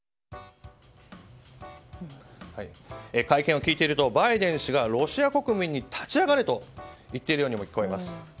会見を聞いているとバイデン氏がロシア国民に立ち上がれと言っているようにも聞こえます。